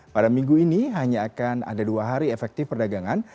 pada minggu ini hanya akan ada dua hari efektif perdagangan